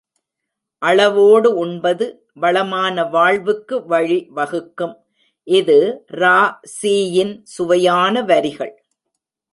அளவோடு உண்பது வளமான வாழ்வுக்கு வழி வகுக்கும் இது ரா.சீ யின் சுவையான வரிகள்.